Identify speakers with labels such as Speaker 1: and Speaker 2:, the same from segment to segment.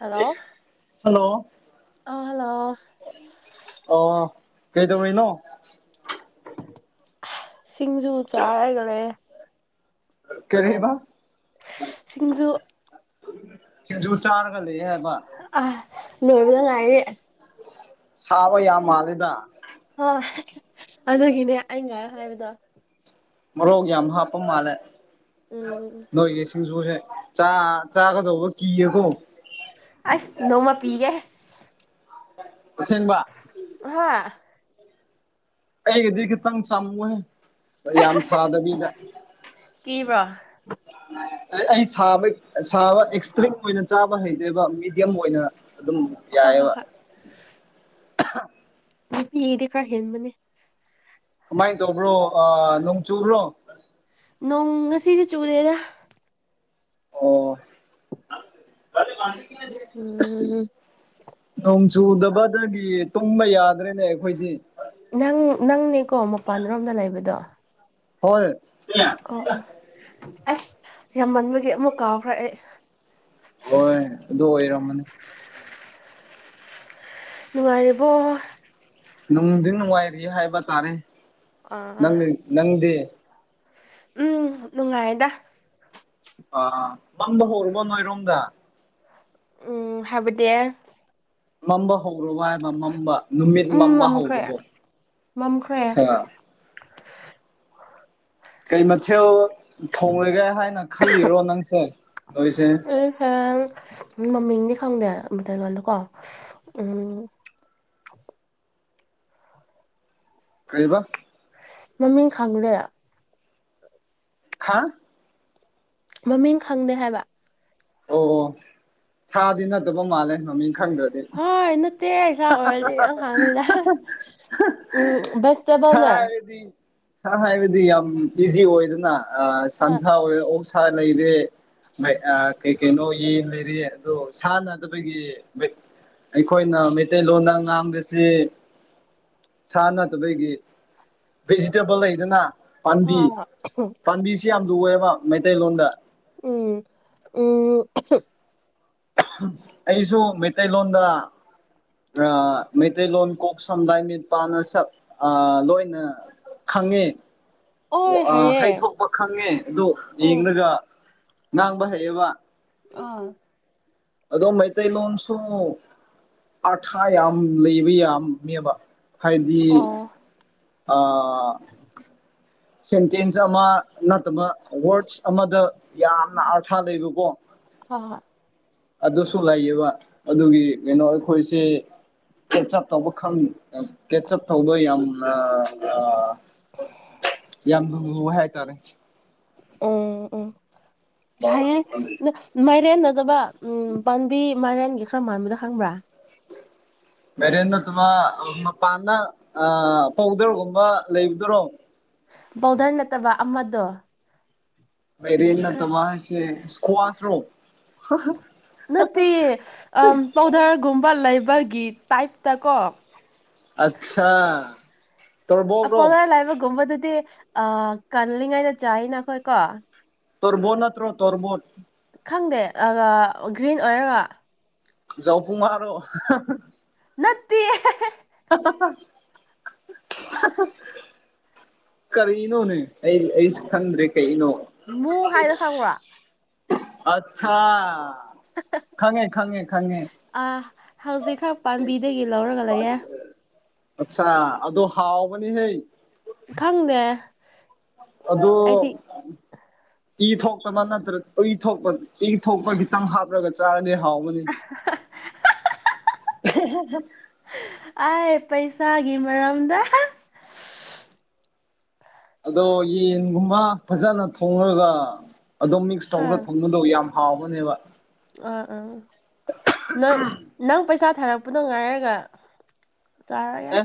Speaker 1: hello
Speaker 2: hello
Speaker 1: ꯑꯂꯣꯑꯣ
Speaker 2: ꯀꯩꯗꯧꯅꯣ
Speaker 1: ꯁꯤꯡꯖꯨ ꯆꯥꯔꯈꯔꯦ
Speaker 2: ꯀꯔꯦꯕ
Speaker 1: ꯁꯤꯡꯖꯨ
Speaker 2: ꯈꯖ ꯆꯔꯒꯂ ꯍꯥꯏꯕ
Speaker 1: ꯑ ꯂꯣꯏꯕꯗ ꯉꯥꯏꯔꯤ
Speaker 2: ꯁꯥꯕ ꯌꯥꯝ ꯃꯥꯜꯂꯦꯗ
Speaker 1: ꯑ ꯍꯥꯏꯕꯗ
Speaker 2: ꯃꯔꯣꯛ ꯌꯥꯝ ꯍꯥꯞꯄ ꯃꯥꯜꯂꯦ
Speaker 1: ꯎꯝ
Speaker 2: ꯅꯣꯏꯒꯤ ꯁꯤꯡꯖꯨꯁꯦ ꯆꯥ ꯆꯥ ꯀ ꯊꯧꯒꯣ ꯀꯤ ꯀ
Speaker 1: ꯑꯁ ꯅꯣꯡꯃ ꯄꯤꯒꯦ
Speaker 2: ꯑꯁꯦꯡꯕ
Speaker 1: ꯍꯥ
Speaker 2: ꯑꯩꯗꯤꯈꯤ ꯇꯪ ꯆꯃꯨꯦ ꯌꯥꯝ ꯁꯥꯗꯕꯤꯗ
Speaker 1: ꯀꯤꯕ꯭ꯔꯣ
Speaker 2: ꯑꯩ ꯁꯥꯕ ꯁꯥꯕ ꯑꯦꯛꯁꯇ꯭ꯔꯤꯝ ꯑꯣꯏꯅ ꯆꯥꯕ ꯍꯩꯗꯣꯏꯕ ꯃꯤꯦꯗꯤꯌꯝ ꯑꯣꯏꯅ ꯑꯗꯨ ꯑꯗꯨꯝ ꯭
Speaker 1: ꯍꯣꯏ ꯍꯣꯏ ꯍꯣꯏ ꯗꯤ ꯀꯥꯔ ꯍꯟꯃꯅꯤ
Speaker 2: ꯀꯃꯥꯏꯅ ꯇꯧꯕ꯭ꯔꯣ ꯑ ꯅꯣꯡ ꯆꯨꯕ꯭ꯔꯣ
Speaker 1: ꯅꯣꯡ ꯉꯁꯤꯗꯤ ꯆꯨꯨꯔꯦꯗ
Speaker 2: ꯑꯣ ꯑꯁ
Speaker 1: ꯎꯝꯝ
Speaker 2: ꯅꯣꯡ ꯆꯨꯗꯕꯗꯒꯤ ꯇꯨꯝꯕ ꯌꯥꯗ
Speaker 1: ꯅꯪ ꯅꯪꯅꯦꯀꯣ ꯃꯄꯥꯟ ꯔꯣꯝꯗ ꯂꯩꯕꯗꯣ
Speaker 2: ꯍꯣꯏ
Speaker 1: ꯑꯣ ꯑꯣ ꯑꯁ ꯌꯥꯝꯃꯟꯕꯒꯤ ꯑꯃꯨꯛ ꯀꯥꯎꯈ꯭ꯔ ꯑꯦ
Speaker 2: ꯍꯣꯏ ꯑꯗꯨ ꯑꯣꯏꯔꯝꯃꯅꯤ
Speaker 1: ꯅꯔꯤꯕ
Speaker 2: ꯅꯨꯡꯗꯤ ꯅꯨꯡꯉꯥꯏꯔꯤ ꯍꯥꯏꯕ ꯇꯥꯔꯦꯪ
Speaker 1: ꯑꯥ
Speaker 2: ꯅꯪꯗꯤ
Speaker 1: ꯎꯝ ꯅꯨꯡꯉꯥꯏꯗ
Speaker 2: ꯑꯥ ꯑ ꯃꯝꯗ ꯍꯧꯔꯨꯕ ꯃꫭꯏꯔꯣꯡꯗ
Speaker 1: ꯎꯝ ꯍꯥꯏꯕꯗꯤ
Speaker 2: ꯃꯝꯕ ꯍꯧ ꯍꯧꯔꯕ ꯍꯥꯏꯕ ꯃꯝꯕ ꯅꯨꯃꯤꯠ
Speaker 1: ꯎꯝ
Speaker 2: ꯃꯝꯕ
Speaker 1: ꯃꯝꯈ꯭ꯔꯦ
Speaker 2: ꯍꯧꯔꯕꯣ
Speaker 1: ꯃꯝꯈ꯭ꯔꯦ
Speaker 2: ꯑꯠꯁꯥ ꯀꯩ ꯃꯊꯦꯜ ꯊꯣꯡꯂꯒꯦ ꯍꯥꯏꯅ ꯈꯜꯂꯤꯔꯣ ꯅꯪꯁꯦ ꯍꯧꯖꯤꯛꯁꯦ
Speaker 1: ꯃꯃꯤꯡꯗꯤ ꯈꯪꯗꯦ ꯑꯃꯩꯇꯩ ꯂꫭꯟꯗꯀꯣ ꯑꯁ ꯎꯝ
Speaker 2: ꯀꯩꯕ
Speaker 1: ꯃꯃꯤꯡ ꯈꯪꯗꯦ
Speaker 2: ꯈꯥ
Speaker 1: ꯃꯃꯤꯡ ꯈꯪꯗꯦ ꯍꯥꯏꯕ
Speaker 2: ꯑꯣ ꯑꯣ ꯁꯥꯗꯤ ꯅꯠꯇꯕ ꯃꯥꯜꯂꯦ ꯃꯃꯤꯡ ꯈꯪꯗ꯭ꯔꯗꯤ
Speaker 1: ꯍꫭꯏ ꯅꯠꯇꯦ ꯄꯁꯥ ꯑꯣꯏꯔꯗꯤ ꯏꯍꯥꯡ ꯍꯥꯡꯅꯤꯗ ꯎꯝ
Speaker 2: ꯁꯥ
Speaker 1: ꯕ꯭ꯁꯇꯗꯅꯦ
Speaker 2: ꯍꯥꯏꯔꯗꯤ ꯁꯥ ꯍꯥꯏꯕꯗꯤ ꯌꯥꯝ ꯏꯖꯤ ꯑꯣꯏꯗꯅ ꯑꯩ
Speaker 1: ꯍꯣꯏ
Speaker 2: ꯁꯟꯁꯥ ꯑꯣꯏꯔꫭ ꯑꯣꯛꯁꯥ ꯂꯩꯔꯦ ꯃꯩ ꯑ ꯀꯩꯀꯩꯅꫭ ꯌꯦꯡꯗ꯭ꯔꯗꯤ ꯑꯗꯣ ꯁꯥꯟꯅꯗꯕꯒꯤ ꯕꯤꯠ ꯑꯩꯈꯣꯏꯅ ꯃꯩꯇꯩꯂꯣꯟꯗ ꯉꯥꯡꯕꯁꯤ ꯁꯥ ꯅꯠꯇꯕꯒꯤ ꯕꯦꯖꯤꯇꯦꯕꯜ ꯂꯩꯗꯅ
Speaker 1: ꯍꯥ ꯑꯊꯤ
Speaker 2: ꯁꯤ ꯌꯥꯝ ꯂꯨꯋꯦꯕ ꯃꯩꯇꯩꯂꯣꯟꯗ
Speaker 1: ꯎꯝ ꯎꯝ ꯑꯍꯝ
Speaker 2: ꯑꯍꯝ ꯑꯩꯁꯨ ꯃꯩꯇꯩꯂꯣꯟꯗ ꯑ ꯃꯩꯇꯩꯂꯣꯟ ꯀ ꯁ ꯂ ꯃ ꯄ ꯅ ꯁ ꯑ ꯂꯣꯏꯅꯈ ꯈꯪꯉꯦ
Speaker 1: ꯑꯣꯏ
Speaker 2: ꯑ
Speaker 1: ꯍꯥꯏꯌꯦ
Speaker 2: ꯍꯩꯊꯣꯛꯄ ꯈꯪꯉꯦ ꯑꯗꯨ
Speaker 1: ꯑꯣ
Speaker 2: ꯌꯦꯡꯂꯒ ꯉꯥꯡꯕ ꯍꯩꯌꯦꯕ
Speaker 1: ꯑꯥ
Speaker 2: ꯑꯗꯣ ꯃꯩꯇꯩ ꯂꯣꯟꯁꯨꯨ ꯑꯥꯊꯥ ꯌꯥꯝ ꯂꯩꯕ ꯌꯥꯝꯃꯦꯕ ꯍꯥꯏꯗꯤ
Speaker 1: ꯑꯣ
Speaker 2: ꯑ ꯁꯦꯟꯇꯦꯟꯁ ꯑꯃ ꯅꯠꯇꯕ ꯋꯥꯔꯠꯁ ꯑꯃꯗ ꯌꯥꯝꯅ ꯑꯥꯔꯊꯥ ꯂꯩꯕꯀꯣ
Speaker 1: ꯑꯥ
Speaker 2: ꯑꯗꯨꯁꯨ ꯂꯩꯌꯦꯕ ꯑꯗꯨꯒꯤ ꯀꯩꯅꯣ ꯑꯩꯈꯣꯏꯁꯦ ꯀꯦ ꯆꯞ ꯇꯧꯕ ꯈꯪ ꯑꯩ ꯀꯦ ꯆꯞ ꯇꯧꯕ ꯌꯥꯝꯅ ꯑ ꯌꯥꯝ ꯂꯨꯔꯨꯕ ꯍꯥꯏꯇꯥꯔꯦ
Speaker 1: ꯎꯝ ꯎꯝ ꯍꯩꯌꯦꯡ ꯅ ꯃꯥꯏꯔꯦꯟ ꯗ ꯗꯗ ꯎꯝ ꯄꯥꯟꯕꯤ ꯃꯥꯏꯔꯦꯟꯒꯤ ꯈꯔ ꯃꯥꯟꯕꯗ ꯈꯪꯕ꯭ꯔꯥ
Speaker 2: [inaudible] [unintelligible] ꯕꯦꯖꯦꯟ ꯅꯠꯇꯕ ꯑꯩ ꯃꯄꯥꯟꯗ ꯑ ꯄꯥꯎꯗ꯭ꯔꯒꯨꯝꯕ ꯂꯩꯕꯗꯨꯔꯣ
Speaker 1: ꯕꯥꯎꯗꯔ ꯅꯠꯇꯕ ꯑꯃꯗꯣ
Speaker 2: ꯃꯥꯏꯔꯦꯟ
Speaker 1: ꯈꯔ
Speaker 2: ꯅꯠꯇꯕ ꯍꯥꯏꯁꯦ ꯏꯁꯀꯨ꯭ꯋꯥꯁ ꯔꯣ
Speaker 1: ꯅꯠꯇꯦ ꯏꯁ ꯑ ꯄꯥꯎꯗ꯭ꯔꯒꯨꯝꯕ ꯂꯩꯕꯒꯤ ꯇꯥꯏ‌꯭ꯞ ꯇ ꯀꯣ
Speaker 2: ꯑꯠꯁꯥ
Speaker 1: ꯑ
Speaker 2: ꯇꯣꯔꯕꯣꯠꯔꯣ
Speaker 1: ꯄꯥꯎꯗꯔ ꯂꯩꯕꯒꯨꯝꯕꯗꯨꯗꯤ ꯑ ꯀꯜꯂꯤꯉꯩꯗ ꯆꯥꯏꯅ ꯑꯈꯣꯏ ꯀꯣ
Speaker 2: ꯇꯣꯔꯕꯣꯠ ꯅꯠꯇ꯭ꯔꯣ ꯇꯣꯔꯕꯣꯠ
Speaker 1: ꯈꯪꯗꯦ ꯑ ꯒ꯭ꯔꯤꯟ ꯑꯣꯏꯔꯒ
Speaker 2: ꯖꯥꯎꯄꯨꯝ ꯃꯥꯔꯣ
Speaker 1: ꯅꯠꯇꯦ
Speaker 2: ꯍꯥ ꯍꯥ ꯍꯥ ꯑꯍꯥ ꯍꯥ ꯀꯔꯤꯅꯣꯅꯦ ꯑꯩ ꯑꯩꯁꯨ ꯈꯪꯗ꯭ꯔꯦ ꯀꯩꯅꯣ
Speaker 1: ꯃꯨ ꯍꯥꯏꯗꯣ ꯈꯪꯕ꯭ꯔꯥ
Speaker 2: ꯑꯆꯥꯥ ꯈꯪꯉꯦ ꯈꯪꯉꯦ ꯈꯪꯉꯦ
Speaker 1: ꯑꯥ ꯍꯧꯖꯤꯛꯈꯛ ꯄꯥꯝꯕꯤꯗꯒꯤ ꯂꯧꯔꯒ ꯂꯩꯌꯦ
Speaker 2: ꯑꯠꯆꯥꯥ ꯑꯗꯨ ꯍꯥꯎꯕꯅꯤ ꯍꯩ
Speaker 1: ꯈꯪꯗꯦ
Speaker 2: ꯑꯗꯨꯗꯣ
Speaker 1: ꯑꯩꯗꯤ
Speaker 2: ꯏ ꯊꯣꯛꯇꯕ ꯅꯠꯇ꯭ꯔ ꯏ ꯊꯣꯛꯄ ꯏ ꯊꯣꯛꯄ ꯈꯤꯇꯪ ꯍꯥꯞꯂꯒ ꯆꯥꯔꯗꯤ ꯊꯥꯎꯕꯅꯤ
Speaker 1: ꯑ ꯄꯩꯁꯥꯒꯤ ꯃꯔꯝꯗ
Speaker 2: ꯑꯗꯣ ꯌꯦꯟꯒꯨꯝꯕ ꯐꯖꯅ ꯊꯣꯡꯉꯒ ꯑꯗꯨꯝ ꯃꯤꯛꯁ
Speaker 1: ꯑꯥ
Speaker 2: ꯇꯧꯔꯒ ꯊꯣꯡꯒꯗꯧ ꯌꯥꯝ ꯍꯥꯎꯕꯅꯦꯕ
Speaker 1: ꯑꯥ ꯑꯥ ꯅꯣꯏ ꯅꯪ ꯄꯩꯁꯥ ꯊꯥꯔꯛꯄꯗꯣ ꯉꯥꯏꯔꯒ ꯆꯔꯒꯦ
Speaker 2: ꯑꯦ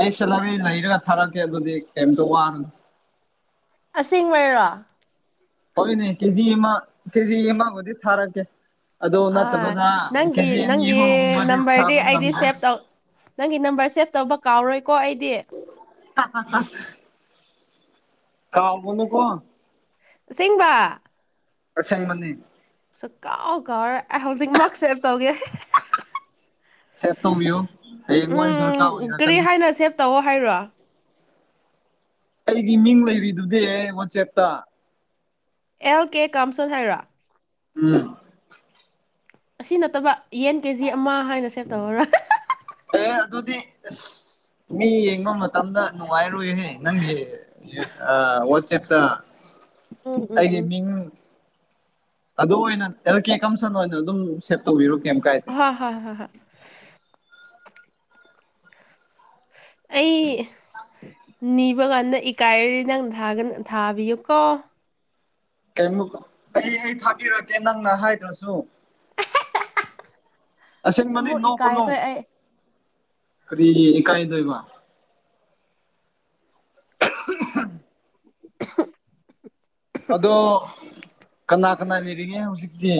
Speaker 2: ꯑꯩ ꯁꯦꯂꯕꯤ ꯂꯩꯔꯒ ꯊꯥꯔꯛꯀꯦ ꯑꯗꯨꯗꯤ ꯀꯩꯝꯇ ꯋꯥꯒꯅꯨ
Speaker 1: ꯑꯁꯦꯡꯕꯩꯔꯣ
Speaker 2: ꯍꯣꯏ ꯅ ꯀꯦꯖꯤ ꯑꯃ ꯀꯦꯖꯤ ꯑꯃꯕꯨꯗꯤ ꯊꯥꯔꯛ ꯀꯦ
Speaker 1: ꯑ ꯅꯪꯒꯤ ꯅꯪꯒꯤ
Speaker 2: ꯑꯍꯨꯝꯒꯨꯝꯕꯗꯤ
Speaker 1: ꯅꯝꯕꯔꯗꯤ
Speaker 2: ꯊꯥꯕ
Speaker 1: ꯑꯩꯗꯤ
Speaker 2: ꯉꯝꯗꯦ
Speaker 1: ꯁꯦꯚ ꯇꯧ ꯅꯪꯒꯤ ꯅꯝꯕꯔ ꯁꯦꯞ ꯇꯧꯕ ꯀꯥꯎꯔꯣꯏꯀꯣ ꯑꯩꯗꯤ
Speaker 2: ꯑ [unintelligible] ꯀꯕꯅꯨ ꯀ
Speaker 1: ꯑꯥꯁꯦꯡꯕ
Speaker 2: ꯑꯁꯦꯡꯕꯅꯦ
Speaker 1: ꯁꯨ ꯀꯥꯎ ꯀꯥꯎꯔ ꯑꯩ ꯍꯧꯖꯤꯛꯃꯛ ꯁꯦꯞ ꯇꯧꯒꯦ
Speaker 2: ꯁꯦꯠꯇꯣꯌꯣꯉ ꯋꯥ ꯔꯀꯥ
Speaker 1: ꯎꯝ
Speaker 2: ꯑꯣꯏꯔ
Speaker 1: ꯀꯔꯤ
Speaker 2: ꯀꯅꯤ
Speaker 1: ꯍꯥꯏꯅ ꯁꯦꯚ ꯇꯧꯑꯣ ꯍꯥꯏꯔꯣ
Speaker 2: ꯑꯩꯒꯤ ꯃꯤꯡ ꯂꯩꯔꯤꯗꯨꯗꯤ ꯋꯥꯆꯦꯞꯇ
Speaker 1: ꯑꯦꯜ ꯀꯦ ꯀꯝꯁꯜ ꯍꯩꯔꯥ
Speaker 2: ꯎꯝ
Speaker 1: ꯑꯁꯤ ꯅꯠꯇꯕ ꯌꯦꯟ ꯀꯦ ꯖꯤ ꯑꯃ ꯍꯥꯏꯅ ꯁꯦꯚ ꯇꯧꯍꯔ
Speaker 2: ꯑꯦ ꯑꯗꯨ ꯑꯗꯨꯗꯤ ꯃꯤ ꯌꯦꯡꯕ ꯃꯇꯝꯗ ꯅꯨꯡꯉꯥꯏꯔꯨꯍꯦ ꯅꯪꯒꯤ ꯋꯥꯆꯦꯞꯇ
Speaker 1: ꯎꯝ ꯎꯝ
Speaker 2: ꯑꯩꯒꯤꯦ
Speaker 1: ꯎꯝ
Speaker 2: ꯃꯤꯡ ꯑꯗꯨ ꯑꯣꯏꯅ ꯑꯦꯜ ꯀꯦ ꯀꯝꯁꯟ ꯑꯣꯏꯅ ꯑꯗꯨꯝ ꯁꯦꯞ ꯇꯧꯕꯤꯔꯣ ꯀꯩꯝ ꯀꯥꯏꯗꯦ
Speaker 1: ꯍ ꯍ ꯍ ꯑꯩ ꯅꯤꯕ ꯀꯥꯟꯗ ꯏꯀꯥꯏꯔꯗꯤ ꯅꯪ ꯊꯒ ꯊꯥꯕꯤꯌꯨꯀꯣ
Speaker 2: ꯀ ꯑꯩ ꯍ ꯊꯥꯕꯤꯔꯛꯒꯦ ꯅꯪꯅ ꯍꯥꯏꯗ꯭ꯔꯁꯨ ꯑꯁꯦꯡ ꯃꯅꯤ
Speaker 1: ꯑꯃꯨꯛ
Speaker 2: ꯅꯣ ꯀꯣꯅꯣ
Speaker 1: ꯏꯀꯥꯏꯈ꯭ꯔꯦ ꯑꯩ
Speaker 2: ꯀꯔꯤ ꯏꯀꯥꯏꯗꯏꯕ
Speaker 1: [inaudible]
Speaker 2: ꯑꯗꯣ ꯀꯅꯥ ꯀꯅꯥ ꯂꯩꯔꯤꯒꯦ ꯍꯧꯖꯤꯛꯇꯤ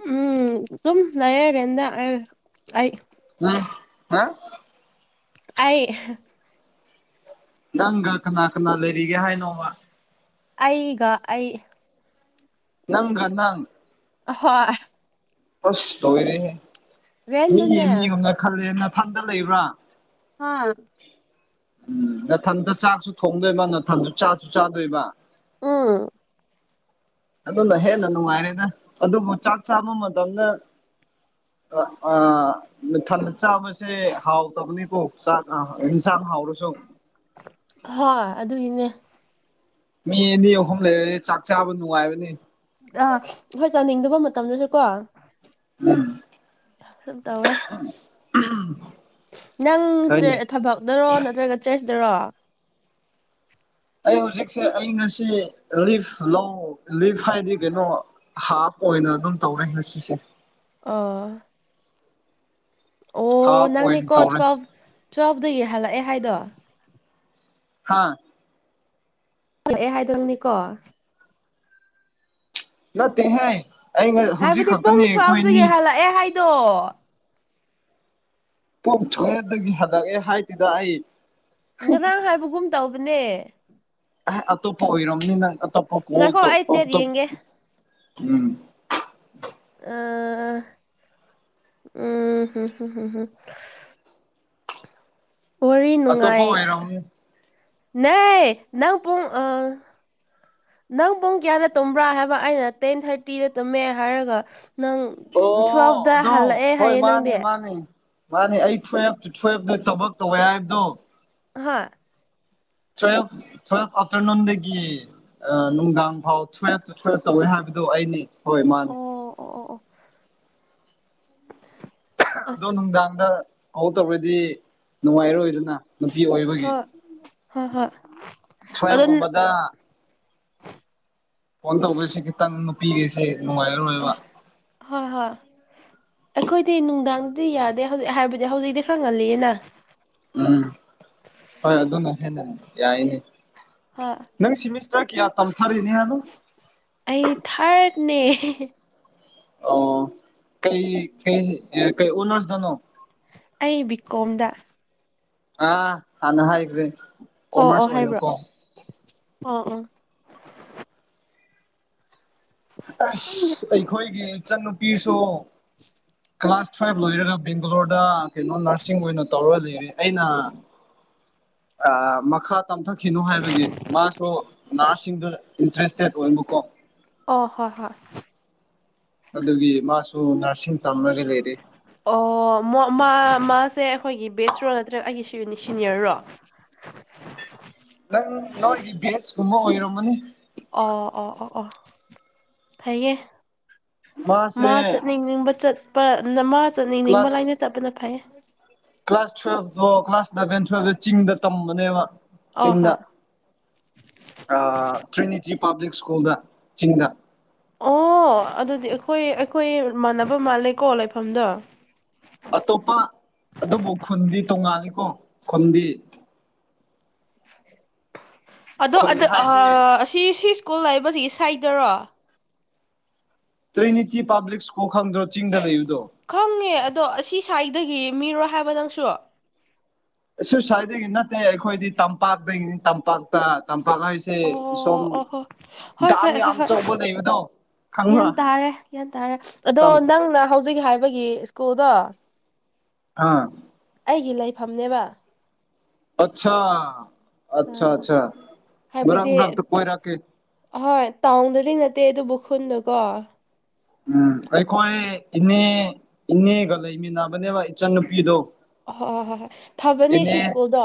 Speaker 1: ꯎꯝ ꯑꯗꯨꯨꯝ ꯂꯩꯔꯔꯦꯟꯗ ꯑꯩ
Speaker 2: ꯑꯝ ꯍꯥ
Speaker 1: ꯑꯩ
Speaker 2: ꯅꯪꯒ ꯀꯅꯥ ꯀꯅꯥ ꯂꯩꯔꯤꯒꯦ ꯍꯥꯏꯅꯣꯕ
Speaker 1: ꯑꯩꯒ ꯑꯩ
Speaker 2: ꯅꯪ ꯅꯪ
Speaker 1: ꯍꯣꯏ
Speaker 2: ꯑꯁ ꯇꯧꯔꯦ ꯃꯤꯅꯤ
Speaker 1: ꯔꯦꯟꯗꯅꯦ
Speaker 2: ꯑꯃꯣꯅ ꯈꯜꯂꯦ ꯅꯊꯟꯗ ꯂꯩꯕ꯭ꯔꯥ
Speaker 1: ꯍꯥꯥ
Speaker 2: ꯎꯝ ꯉꯊꯟꯇ ꯆꯥꯛꯁꯨ ꯊꯣꯡꯗꯣꯏꯃ ꯉꯊꯟꯁꯨ ꯆꯥꯁꯨ ꯆꯥꯗꯣꯏꯃ
Speaker 1: ꯎꯝ
Speaker 2: ꯑꯗꯨꯅ ꯍꯦꯟꯅ ꯅꯨꯡꯉꯥꯏꯔꯦꯗ ꯑꯗꯨꯕꯨ ꯆꯥꯛ ꯆꯥꯕ ꯃꯇꯝꯗ ꯃꯊꯟ ꯆꯥꯕꯁꯦ ꯍꯥꯎꯇꯕꯅꯤꯀꯣ ꯆꯥꯛ ꯑ ꯏ ꯁꯔꯥꯎꯔꯨꯁꯨꯣ
Speaker 1: ꯍꯣꯏ ꯑꯗꯨꯒꯤꯅꯦ
Speaker 2: ꯃꯤ ꯑꯅꯤ ꯑꯍꯨꯝ ꯂꯩꯔꯗꯤ ꯆꯥꯛ ꯆꯥꯕ ꯅꯨꯡꯉꯥꯏꯕꯅꯤ
Speaker 1: ꯑꯥ ꯍꯣꯏ ꯆꯥꯅꯤꯡꯗꯕ ꯃꯇꯝꯗꯨꯁꯨ ꯀꯣ
Speaker 2: ꯎꯝ
Speaker 1: ꯁꯝ ꯇꯋꯦ
Speaker 2: ꯑ
Speaker 1: ꯅꯪ ꯊꯕꯛꯅꯔꯣ ꯅꯠꯇ꯭ꯔꯒ ꯆ꯭ꯔꯦꯁꯤꯗꯔꯣ
Speaker 2: ꯑꯩ ꯍꯧꯖꯤꯛꯁꯦ ꯑꯩ ꯉꯁꯤ ꯂꯤꯐ ꯂꯧ ꯂꯤꯐ ꯍꯥꯏꯗꯤ ꯀꯩꯅꯣ ꯍꯥꯐ ꯑꯣꯏꯅ ꯑꯗꯨꯝ ꯇꯧꯔꯦ ꯉꯁꯤꯁꯦ
Speaker 1: ꯑ ꯑꯣ
Speaker 2: ꯍꯥꯐ ꯑꯣꯏꯅ
Speaker 1: ꯅꯪꯅꯦꯀꯣ
Speaker 2: ꯇꯧꯔꯦ
Speaker 1: ꯇꯨꯋꯦꯜꯐ ꯇꯨꯋꯦꯜꯐꯇꯗꯒꯤ ꯍꯜꯂꯛꯑꯦ ꯍꯥꯏꯗꯣ
Speaker 2: ꯍꯥꯥ
Speaker 1: ꯜꯂꯛꯑꯦ ꯍꯥꯏꯗꯪꯅꯤꯀꯣ
Speaker 2: ꯅꯠꯇꯦꯍꯦ ꯑꯩꯩꯅ ꯍꯧꯖꯤꯛ
Speaker 1: ꯍꯥꯏꯕꯗꯤ
Speaker 2: ꯈꯛꯇꯅꯦ
Speaker 1: ꯄꯨꯡ ꯇꯨꯋꯦꯜꯐꯇꯒꯤ
Speaker 2: ꯑꯩꯈꯣꯏꯅꯤ
Speaker 1: ꯍꯜꯂꯛꯑꯦ ꯍꯥꯏꯗꯣ
Speaker 2: ꯀꯣꯛꯊꯣꯛꯑꯦ ꯑꯗꯨꯒꯤ ꯍꯟꯂꯛꯑꯦ ꯍꯥꯏꯗꯨꯗ ꯑꯩ
Speaker 1: ꯉꯔꯥꯡ ꯍꯥꯏꯕꯒꯨꯝ ꯇꯧꯕꯅꯦ
Speaker 2: ꯑꯦ ꯑꯇꯣꯞꯄ ꯑꯣꯏꯔꯕꯝꯅꯤ ꯅꯪ
Speaker 1: ꯉꯥꯏꯈꯣ ꯑꯩ ꯆꯦꯠ
Speaker 2: ꯑꯛꯇ
Speaker 1: ꯌꯦꯡꯒꯦ
Speaker 2: ꯎꯝ
Speaker 1: ꯑ ꯎꯝꯝꯝꯝꯝ ꯋꯥꯔꯤ
Speaker 2: ꯑꯇꯣꯞꯄ
Speaker 1: ꯅꯨꯡꯉꯥꯏ
Speaker 2: ꯑꯣꯏꯔꯝꯅꯤ
Speaker 1: ꯅ ꯅꯪ ꯄꯨꯡ ꯑ ꯅꯪ ꯄꯨꯡ ꯀꯌꯥꯅ ꯇꯨꯝꯕ꯭ꯔꯥ ꯍꯥꯏꯕ ꯑꯩꯅ ꯇꯦꯟ ꯊꯥꯔꯇꯤꯗ ꯇꯨꯝꯃꯦ ꯍꯥꯏꯔꯒ ꯅꯪ
Speaker 2: ꯑꯣ
Speaker 1: ꯇꯨꯋꯦꯜꯐꯇ
Speaker 2: ꯑꯗꯣ
Speaker 1: ꯍꯜꯂꯛꯑꯦ
Speaker 2: ꯍꯣꯏ
Speaker 1: ꯍꯥꯏꯌꯦ
Speaker 2: ꯃꯥꯅꯦ
Speaker 1: ꯅꯪꯗꯤ
Speaker 2: ꯃꯥꯅꯦ ꯃꯥꯅꯦ ꯑꯩ ꯇꯨꯋꯜꯞ ꯇꯨ ꯇꯨꯋꯜꯐꯇ ꯊꯕꯛ ꯇꯧꯋꯦ ꯍꯥꯏꯕꯗꯣ
Speaker 1: ꯍꯥ
Speaker 2: ꯇꯨꯋ ꯇꯋ ꯑꯐꯇꯔꯅꯨꯟꯗꯒꯤꯅꯨꯡꯒꯥꯡ ꯐꯥꯎ ꯇ ꯑꯣꯏ ꯍꯥꯏ ꯑꯗꯨ ꯑꯩꯅꯦ ꯍꯣꯏ ꯃꯥꯅꯦ
Speaker 1: ꯑꯣ ꯑꯣ ꯑꯣ ꯑꯣ
Speaker 2: ꯑꯗꯣ
Speaker 1: ꯑꯁ
Speaker 2: ꯅꯨꯡꯗꯥꯡꯗ ꯍꯧ ꯇꯧꯔꯗꯤ ꯅꯨꯡꯉꯥꯏꯔꯣꯏꯗꯅ ꯃꯁꯤꯤ ꯑꯣꯏꯕꯒꯤ
Speaker 1: ꯍꯣꯏ ꯍꯣꯏ ꯍꯣꯏ
Speaker 2: ꯁꯌꯦ
Speaker 1: ꯑꯗꯨ
Speaker 2: ꯀꯨꯝꯕꯗ ꯐꯣꯟ ꯇꯧꯁꯦ ꯈꯤꯇꯪ ꯅꯨꯄꯤꯒꯦꯁꯦ
Speaker 1: ꯑ
Speaker 2: ꯅꯨꯡꯉꯥꯏꯔꯔꯣꯏꯕ
Speaker 1: ꯍꯣꯏ ꯍꯣꯏ ꯑꯩꯈꯣꯏꯗꯤ ꯅꯨꯡꯗꯥꯡꯗꯗꯤ ꯌꯥꯗꯦ ꯍꯧꯖꯤꯛ ꯍꯥꯏꯕꯗꯤ ꯍꯧꯖꯤꯛꯇꯤ ꯈꯔ ꯉꯜꯂꯤꯌꯦꯅ
Speaker 2: ꯎꯝ ꯍꯣꯏ ꯑꯗꯨ ꯑꯗꯨ ꯌꯥꯏꯅꯤ
Speaker 1: ꯍꯣꯏ
Speaker 2: ꯅꯪ ꯁꯤꯃꯤꯁꯇꯔ ꯀꯌꯥ ꯇꯝꯊꯔꯤꯅꯦ ꯍꯥꯏꯅꯣ
Speaker 1: ꯑꯩ ꯊꯥꯔꯠꯅꯦ
Speaker 2: ꯑꯣ ꯀꯩ ꯀꯩ ꯀꯩ ꯑꯣꯅꯔꯁ ꯗꯅꯣ
Speaker 1: ꯑꯩ ꯕꯤ ꯀꯣꯝꯗ
Speaker 2: ꯑꯥ ꯍꯥꯟꯅ ꯍꯥꯏꯈ꯭ꯔꯦ ꯀꯣꯃꯔꯁ ꯑꯣꯏꯅꯨꯀꯣ
Speaker 1: ꯑ ꯑ
Speaker 2: ꯑꯁ ꯑꯩꯈꯣꯏꯒꯤ ꯏꯆꯟꯟꯅꯨꯄꯤꯁꯨ ꯀ꯭ꯂꯥꯁ ꯐꯥꯏꯚ ꯂꯣꯏꯔꯒ ꯕꯦꯡꯒꯂꯣꯔꯗ ꯀꯩꯅꯣ ꯅꯔꯁꯤꯡ ꯑꯣꯏꯅ ꯇꯧꯔ ꯂꯩꯔꯦ ꯑꯩꯅ ꯑ ꯃꯈꯥ ꯇꯝꯊꯛꯈꯤꯅꯣ ꯍꯥꯏꯕꯒꯤ ꯃꯥꯁꯨ ꯅꯔꯁꯁꯤꯡꯗ ꯏꯟꯇꯔꯦꯁꯇꯦꯠ ꯑꯣꯏꯕꯀꯣ
Speaker 1: ꯑꯣ ꯍꯣꯏ ꯍꯣꯏ
Speaker 2: ꯑꯗꯨꯒꯤ ꯃꯥꯁꯨ ꯅꯔꯁꯤꯡ ꯇꯝꯃꯒ ꯂꯩꯔ
Speaker 1: ꯑꯣ ꯃꯣ ꯃꯥꯁꯦ ꯑꯩꯈꯣꯏꯒꯤ ꯕꯦꯠꯁꯔꯣ ꯅꯠꯇ꯭ꯔꯒ ꯑꯩꯒꯤ ꯁꯤꯅꯤꯌꯔꯔꯣ
Speaker 2: ꯅꯪ ꯅꯣꯏꯒꯤ ꯕꯦꯁ ꯀꯨꯝꯕ ꯑꯣꯏꯔꯝꯃꯅꯤ
Speaker 1: ꯑꯣ ꯑꯣ ꯑꯣ ꯑꯣ ꯐꯌꯦꯌꯦ
Speaker 2: ꯃꯥꯁꯦ
Speaker 1: ꯃꯥ ꯆꯠꯅꯤꯡꯅꯤꯡꯕ ꯆꯠꯄ ꯃꯥ ꯆꯠꯅꯤꯡꯅꯤꯡ ꯃ
Speaker 2: ꯀ꯭ꯂꯥꯁ
Speaker 1: ꯂꯥꯏꯅ ꯆꯠꯄꯅ ꯐꯩꯌꯦ
Speaker 2: ꯑꯣ ꯀ꯭ꯂꯥꯁ ꯏꯂꯚꯦꯟ ꯇꯨꯋꯜꯇ ꯆꯤꯡꯗ ꯇꯝꯕꯅꯦꯕ
Speaker 1: ꯑ
Speaker 2: ꯆꯗ
Speaker 1: ꯍꯣꯏ
Speaker 2: ꯑ ꯇꯞ ꯄꯥꯕ꯭ꯂꯤꯛ ꯁ꯭ꯀꯨꯜꯗ ꯆꯤꯡꯗ
Speaker 1: ꯑꯣ ꯑꯗꯨꯗꯤ ꯑꯩꯈꯣꯏ ꯑꯩꯈꯣꯏ ꯃꯥꯟꯅꯕ ꯃꯥꯜꯂꯦꯀꯣ ꯂꯩꯐꯝꯗꯣ
Speaker 2: ꯑꯇꯣꯞꯄ ꯑꯗꯨꯕꯨ ꯈꯨꯟꯗꯤ ꯇꯣꯡꯉꯥꯜꯂꯤꯀꯣ ꯈꯨꯟꯗꯤ
Speaker 1: ꯑꯗꯣ
Speaker 2: ꯈꯨꯟ ꯍꯥꯏꯁꯦ
Speaker 1: ꯑꯁꯤ ꯁꯤ ꯁ꯭ꯀꯨꯜ ꯂꯩꯕꯁꯤ ꯁꯥꯏꯗꯔꯣ
Speaker 2: ꯇ꯭ꯔꯤꯅꯤꯇꯤ ꯄꯕꯂꯤꯛ ꯁꯀꯨꯜ ꯈꯪꯗ꯭ꯔꯣ ꯆꯤꯡꯗ ꯂꯩ
Speaker 1: ꯈꯪꯉꯦ ꯑꯗꯣ ꯑꯁꯤ ꯁ꯭ꯋꯥꯏꯗꯒꯤ ꯃꯤꯔꯣ ꯍꯥꯏꯕꯗꯪꯁꯨ
Speaker 2: ꯑꯣꯏ ꯁ꯭ꯋꯥꯏꯗꯒꯤ ꯅꯠꯇꯦ ꯑꯩꯈꯣꯏꯗꯤ ꯇꯝꯄꯥꯛꯇꯒꯤꯅꯤ ꯇꯝꯄꯥꯛꯇꯄꯥꯛ ꯕꯥꯈꯥꯏꯁꯦ ꯁꯣꯨꯝ
Speaker 1: ꯑꯣ ꯍꯣ ꯍꯣꯏ
Speaker 2: ꯗꯥꯝ
Speaker 1: ꯍꯣꯏ ꯍꯣꯏ
Speaker 2: ꯌꯥꯝ
Speaker 1: ꯍꯣꯏ
Speaker 2: ꯑꯧꯕ ꯂꯩꯕꯗꯣ ꯈꯪꯕ꯭ꯔꯥ
Speaker 1: ꯒ꯭ꯌꯥꯟ ꯇꯥꯔꯦ ꯒ꯭ꯌꯥꯟ ꯇꯥꯔꯦ ꯑꯗꯣ
Speaker 2: ꯇꯝ
Speaker 1: ꯅꯪꯅ ꯍꯧꯖꯤꯛ ꯍꯥꯏꯔꯤꯕ ꯑꯩꯒꯤ ꯁ꯭ꯀꯨꯜꯗ
Speaker 2: ꯑꯥ
Speaker 1: ꯑꯩꯒꯤ ꯂꯩꯐꯝꯅꯦꯕ
Speaker 2: ꯑꯆꯥ ꯑꯆꯥ ꯑꯆꯥ ꯔꯪ ꯔ ꯀꯣꯏ ꯔꯀꯦ
Speaker 1: ꯑꯍꯣꯏ ꯇꯥꯎꯟꯗꯗꯤ ꯅꯠꯇꯦ ꯑꯗꯨꯕꯨꯈꯨꯜꯗꯣꯀꯣ
Speaker 2: ꯎꯝ ꯑꯩꯈꯣꯏ ꯏꯅꯦ ꯏꯅꯦꯒ ꯂꯩꯃꯤꯟꯅꯕꯅꯦꯕ ꯏꯆꯟꯅꯨꯄꯤꯗꯣ
Speaker 1: ꯑ ꯍꯣꯏ ꯍꯣꯏ ꯊꯕꯅꯤ ꯁꯤ
Speaker 2: ꯏꯅꯦ
Speaker 1: ꯁ꯭ꯀꯨꯜꯗꯣ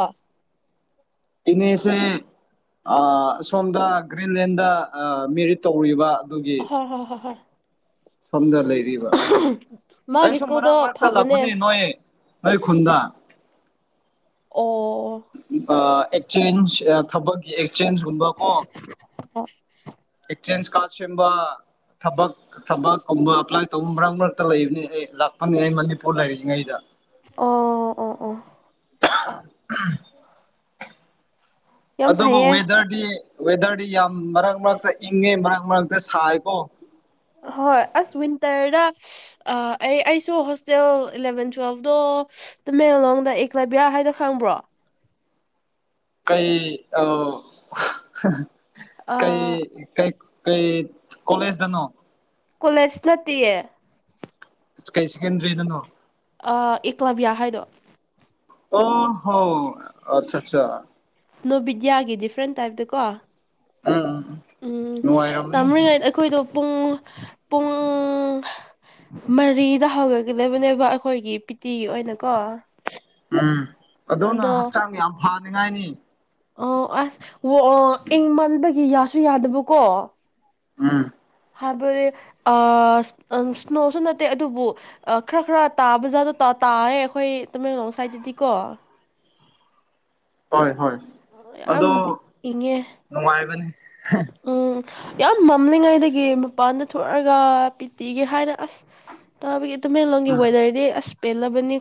Speaker 2: ꯑ ꯑꯁꯣꯝꯗ ꯒ꯭ꯔꯤꯟꯂꯦꯟꯗ ꯃꯦꯔꯤꯠ ꯇꯧꯔꯤꯕ ꯑꯗꯨꯒꯤ
Speaker 1: ꯍ ꯍ ꯍ ꯍꯣꯏ
Speaker 2: ꯁꯣꯝꯗ ꯂꯩꯔꯤꯕ ꯑꯩ
Speaker 1: ꯃꯥꯒꯤ
Speaker 2: ꯁꯨꯝ
Speaker 1: ꯁ꯭ꯀꯨꯜꯗꯣ
Speaker 2: ꯃꯔꯛ ꯃꯔꯛꯇ
Speaker 1: ꯐꯕꯅꯦ
Speaker 2: ꯂꯥꯛꯄꯅꯦ ꯅꯣꯏ ꯑꯩ ꯈꯨꯨꯟꯗꯥ
Speaker 1: ꯑꯣ
Speaker 2: ꯑꯦꯛꯆꯦꯟꯖ ꯊꯕꯛꯀꯤ ꯑꯦꯛꯆꯦꯟꯖꯀꯨꯝꯕꯀꯣ
Speaker 1: ꯑꯣ
Speaker 2: ꯆꯦꯟ ꯀꯥꯁꯕꯥ ꯊꯕꯛ ꯊꯕꯛꯀꯨꯝꯕ ꯑꯦꯄ꯭ꯂꯥꯏ ꯇꯧꯕ ꯃꯔꯛ ꯃꯔꯛꯇ ꯂꯩꯕꯅꯤ ꯑꯩ ꯂꯥꯛꯄꯅꯤ ꯑꯩ ꯃꯅꯤꯄꯨꯔ ꯂꯩꯔꯤꯛꯏꯉꯩꯗ
Speaker 1: ꯑ ꯑ ꯑ
Speaker 2: ꯑꯥ
Speaker 1: ꯌꯥꯝ
Speaker 2: ꯑꯗꯨꯣꯕꯨ
Speaker 1: ꯐꯩꯌꯦ
Speaker 2: ꯋꯦꯗꯔꯗꯤ ꯋꯦꯗꯔꯗꯤ ꯌꯥꯝ ꯃꯔꯛ ꯃꯔꯛꯇ ꯏꯪꯉꯦ ꯃꯔꯛ ꯃꯔꯛꯇ ꯁꯥꯏꯀꯣ
Speaker 1: ꯍꯣꯏ ꯑꯁ ꯋꯤꯟꯇꯔꯗ ꯑꯩ ꯑꯩꯁꯨ ꯍꯣꯁꯇꯦꯜ ꯏꯂꯦꯚꯦꯟ ꯇꯨꯋꯦꯜꯐꯇꯣ ꯇꯃꯦꯡꯂꯣꯡꯗ ꯑꯦꯛꯂꯥꯕꯤꯌꯥ ꯍꯥꯏꯅꯣ ꯈꯪꯕ꯭ꯔꯣ
Speaker 2: ꯀꯩ ꯑ
Speaker 1: ꯑ
Speaker 2: ꯀꯩ ꯀꯩ ꯑꯩꯩ ꯀꯣꯂꯦꯖꯗꯅꯣ
Speaker 1: ꯀꯣꯂꯦꯖ ꯅꯠꯇꯦꯌꯦ
Speaker 2: ꯀꯩꯁꯤ ꯀꯦꯟꯟ꯭ꯔꯗꯅꯣ
Speaker 1: ꯑꯦꯀꯂꯥꯕꯤꯌꯥ ꯍꯥꯏꯗꯣ
Speaker 2: ꯑ ꯍꯣ ꯑꯆꯥ ꯑꯆꯥ
Speaker 1: ꯅꯣ ꯕꯤꯗ꯭ꯌꯥꯒꯤ ꯗꯤꯐ꯭ꯔꯦꯟ ꯇꯥꯏꯞꯇꯀꯣ
Speaker 2: ꯎꯝ ꯎꯝ
Speaker 1: ꯎꯝ
Speaker 2: ꯅꯨꯡꯉꯥꯏꯔꯝꯃꯅꯤ
Speaker 1: ꯇꯥꯔꯤꯉꯩꯗ ꯑꯩꯈꯣꯏꯗꯣ ꯄꯨꯡ ꯄꯨꯡ ꯃꯔꯤꯗ ꯍꯧꯒꯒꯗꯕꯅꯦꯕ ꯑꯩꯈꯣꯏꯒꯤ ꯄꯤꯇꯤ ꯑꯣꯏꯅꯀꯣ
Speaker 2: ꯎꯝ ꯑꯗꯨꯣꯅ ꯍꯛꯆꯥꯡ ꯌꯥꯝ ꯐꯅꯤꯡꯉꯥꯏꯅꯤ
Speaker 1: ꯑ ꯑꯁ ꯑꯣ ꯏꯪ ꯃꯟꯕꯒꯤ ꯌꯥꯁꯨ ꯌꯥꯗꯕꯀꯣ
Speaker 2: ꯑꯥ
Speaker 1: ꯍꯥꯏꯕꯗꯤ ꯁ꯭ꯅꯣꯁꯨ ꯅꯠꯇꯦ ꯑꯗꯨꯕꯨ ꯈꯔ ꯈꯔ ꯇꯥꯕ ꯖꯥꯗꯣ ꯇꯥꯔꯦ ꯑꯩꯈꯣꯏ ꯇꯃꯦꯡꯂꯣꯡ ꯁꯥꯏꯗꯠꯇꯗꯤꯀꯣ
Speaker 2: ꯍꯣꯏ ꯍꯣꯏ
Speaker 1: ꯌꯥꯝ
Speaker 2: ꯑꯗꯣ
Speaker 1: ꯏꯪꯉꯦ
Speaker 2: ꯅꯨꯡꯉꯥꯏꯕꯅꯤ
Speaker 1: ꯎꯝ ꯌꯥꯝ ꯃꯝꯂꯤꯉꯥꯏꯗꯒꯤ ꯃꯄꯥꯟꯗ ꯊꯣꯛꯑꯒ ꯄꯤꯇꯤꯒꯦ ꯍꯥꯏꯅ ꯑꯁ ꯇꯥꯕꯒꯤ ꯇꯨꯃꯦꯡꯂꯣꯡꯒꯤ
Speaker 2: ꯎꯝ
Speaker 1: ꯋꯦꯗꯔꯗꯤ ꯑꯁ ꯄꯦꯜꯂꯕꯅꯤ